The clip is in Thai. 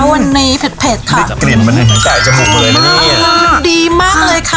วันนี้เผ็ดเผ็ดค่ะนี่กลิ่นมันเห็นไก่จมูกเลยนี่อ๋อดีมากเลยค่ะ